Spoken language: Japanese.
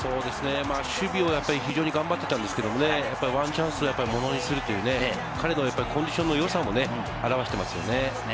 守備を非常に頑張っていたんですけれども、ワンチャンスをものにするという彼のコンディションの良さも表していますよね。